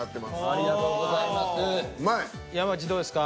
ありがとうございます。